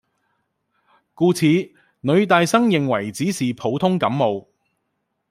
故此女大生認為只是普通感冒